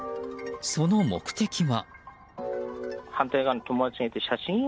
その目的は。